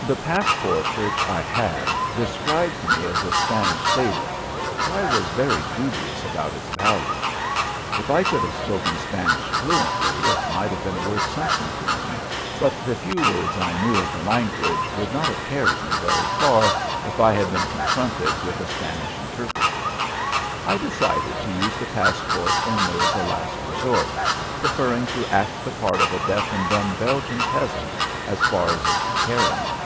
The passport which I had described me as a Spanish sailor, but I was very dubious about its value. If I could have spoken Spanish fluently it might have been worth something to me, but the few words I knew of the language would not have carried me very far if I had been confronted with a Spanish interpreter. I decided to use the passport only as a last resort, preferring to act the part of a deaf and dumb Belgian peasant as far as it would carry me.